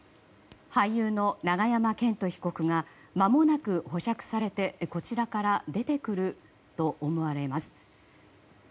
俳優の永山絢斗被告がまもなく保釈されてこちらから出てくると思われます。